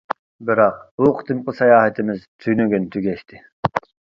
بىراق، بۇ قېتىمقى ساياھىتىمىز تۈنۈگۈن تۈگەشتى.